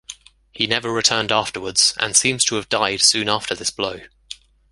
He never returned afterwards, and seems to have died soon after this blow.